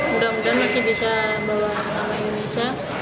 mudah mudahan masih bisa bawa nama indonesia